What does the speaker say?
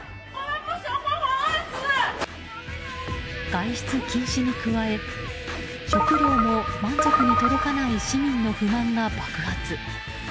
外出禁止に加え、食料も満足に届かない市民の不満が爆発。